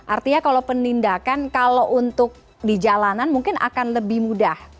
artinya kalau penindakan kalau untuk di jalanan mungkin akan lebih mudah